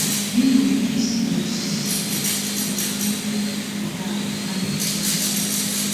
Mɛ̀ ndù ikisinǝ siǝ́ ikuili ɔ ya á ndù naa.